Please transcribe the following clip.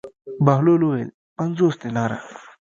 بهلول وویل: پنځوس دیناره.